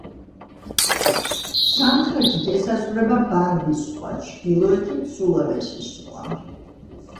სამხრეთით ესაზღვრება ბანდის ზღვა, ჩრდილოეთით სულავესის ზღვა.